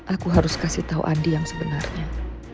aku harus kasih tahu andi yang sebenarnya